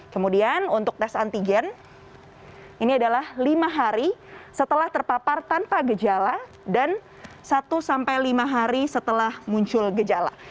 kemudian untuk tes antigen ini adalah lima hari setelah terpapar tanpa gejala dan satu sampai lima hari setelah muncul gejala